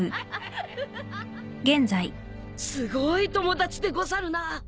すごい友達でござるな。